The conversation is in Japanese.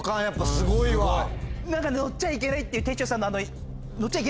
何か乗っちゃいけないっていうてっしょうさんの。